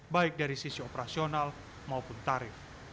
baik dari sisi operasional maupun tarif